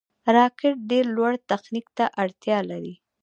راکټ ډېر لوړ تخنیک ته اړتیا لري